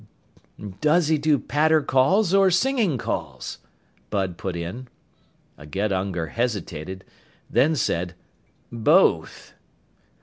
"Does he do patter calls or singing calls?" Bud put in. Again Unger hesitated, then said, "Both."